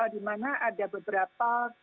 di mana ada beberapa